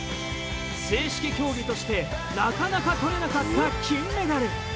正式競技としてなかなかとれなかった金メダル。